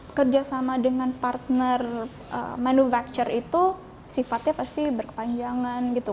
jadi kerjasama dengan partner manuvercture itu sifatnya pasti berkepanjangan gitu